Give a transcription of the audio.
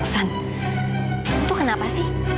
aksan itu kenapa sih